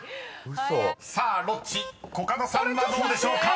［さあロッチコカドさんはどうでしょうか？］